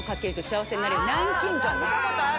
見たことある。